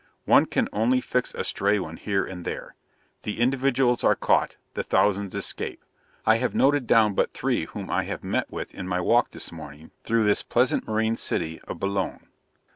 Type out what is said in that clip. One can only fix a stray one here and there. The individuals are caught the thousands escape. I have noted down but three whom I have met with in my walk this morning through this pleasant marine city of Boulogne.